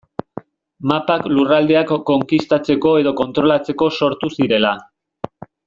Mapak lurraldeak konkistatzeko edo kontrolatzeko sortu zirela.